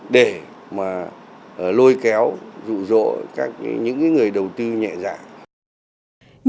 để mà lôi kéo rụ rỗ các những người đầu tư nhẹ dạng